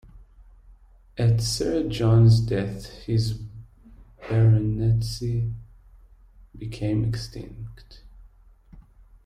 At Sir John's death his baronetcy became extinct.